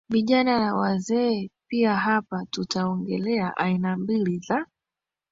vijana na wazee piaHapa tutaongelea aina mbili za